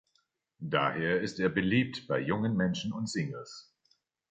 Daher ist er beliebt bei jungen Menschen und Singles.